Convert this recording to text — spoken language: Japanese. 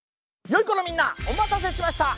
よいこのみんなおまたせしました！